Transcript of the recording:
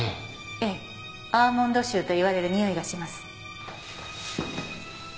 ええアーモンド臭といわれるにおいがします。